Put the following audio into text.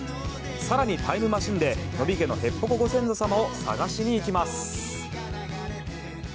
更に、タイムマシンで野比家のへっぽこご先祖さまを探しにいきます。